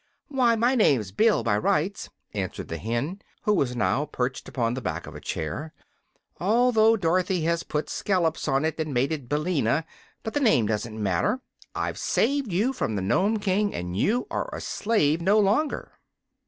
"Why, my name's Bill, by rights," answered the hen, who was now perched upon the back of a chair; "although Dorothy has put scollops on it and made it Billina. But the name doesn't matter. I've saved you from the Nome King, and you are a slave no longer."